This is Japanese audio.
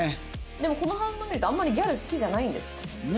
でもこの反応見るとあんまりギャル好きじゃないんですかね？